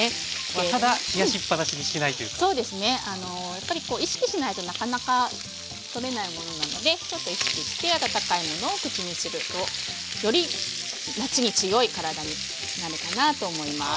やっぱりこう意識しないとなかなかとれないものなのでちょっと意識して温かいものを口にするとより夏に強い体になるかなと思います。